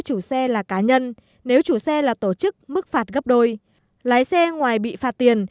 chủ xe là cá nhân nếu chủ xe là tổ chức mức phạt gấp đôi lái xe ngoài bị phạt tiền